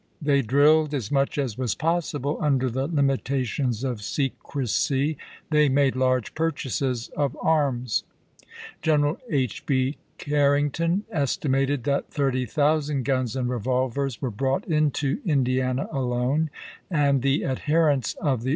They drilled as much as was possible under the limita tions of secrecy; they made large purchases of arms. General H. B. Carrington estimated that thirty thousand guns and revolvers were brought into Indiana alone, and the adherents of the order CONSPIEACIES IN THE NOETH Chap.